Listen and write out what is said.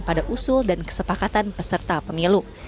pada usul dan kesepakatan peserta pemilu